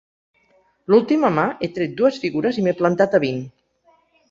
L'última mà he tret dues figures i m'he plantat a vint.